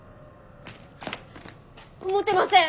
思ってません。